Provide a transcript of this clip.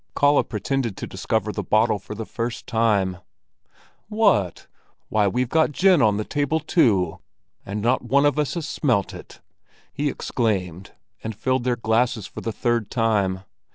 Kalle pretended to discover the bottle for the first time. "What! Why, we've got gin on the table, too, and not one of us has smelt it!" he exclaimed, and filled their glasses for the third time.